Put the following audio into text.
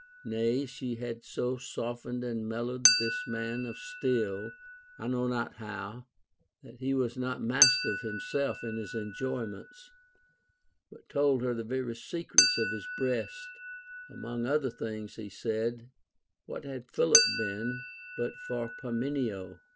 Nay, she had so softened and mellowed this man of steel, I know not how, that he was not master of himself in his enjoy ments, but told her the very secrets of his breast; among OF ALEXANDER THE GREAT. 505 Other things he said : \Vhat had Philip been, but for Par menio